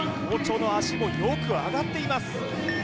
オチョの脚もよく上がっています